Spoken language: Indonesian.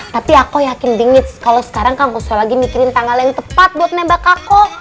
tapi aku yakin dingit kalau sekarang kamu suka lagi mikirin tanggal yang tepat buat nembak aku